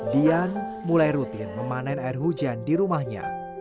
dian mulai rutin memanen air hujan di rumahnya